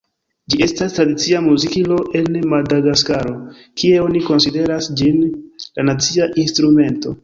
Ĝi estas tradicia muzikilo en Madagaskaro, kie oni konsideras ĝin "la nacia instrumento".